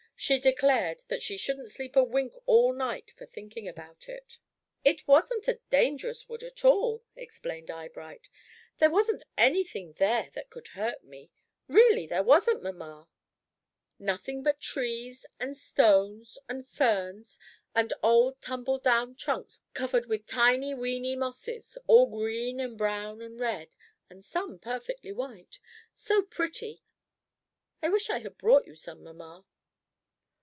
She declared that she shouldn't sleep a wink all night for thinking about it. "It wasn't a dangerous wood at all," explained Eyebright. "There wasn't any thing there that could hurt me. Really there wasn't, mamma. Nothing but trees, and stones, and ferns, and old tumbled down trunks covered with tiny weeny mosses, all green and brown and red, and some perfectly white, so pretty. I wish I had brought you some, mamma."